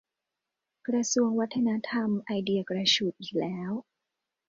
กระทรวงวัฒนธรรมไอเดียกระฉูดอีกแล้ว